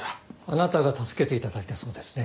あなたが助けて頂いたそうですね。